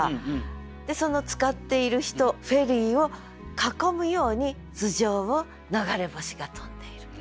でそのつかっている人フェリーを囲むように頭上を流れ星が飛んでいる。